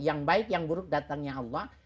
yang baik yang buruk datangnya allah